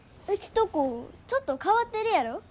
うちとこちょっと変わってるやろ。